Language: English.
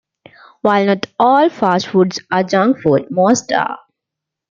While not all fast foods are junk foods, most are.